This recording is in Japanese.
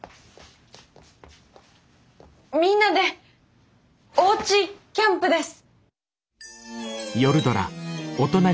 みんなでおうちキャンプです！